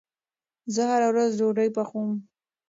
زه هره ورځ ډوډې پخوم